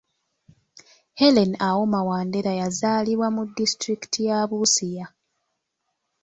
Hellen Auma Wandera yazaalibwa mu disitulikiti ya Busia